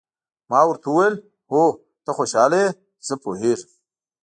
ما ورته وویل: هو، ته خوشاله یې، زه پوهېږم.